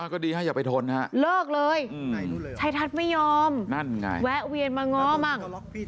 ก็ดีให้อย่าไปทนฮะเลิกเลยชัยทัศน์ไม่ยอมนั่นไงแวะเวียนมาง้อมั่ง